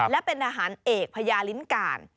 และเป็นอาหารเอกพญาลิ้นการ